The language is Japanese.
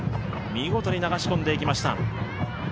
見事に流し込んでいきました。